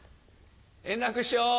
円楽師匠！